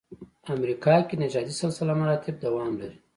امریکا کې نژادي سلسله مراتبو دوام لري.